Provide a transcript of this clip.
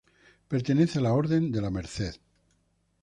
Pertenece a la Orden de la Merced.